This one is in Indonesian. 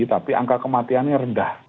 tapi angka kematiannya rendah